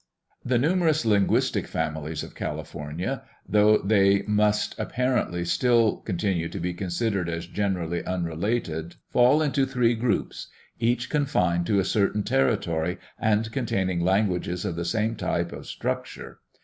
The numerous linguistic families of California, though they must apparently still continue to be considered as generally unrelated, fall into three groups, each confined to a certain territory and containing languages of the same type of structure.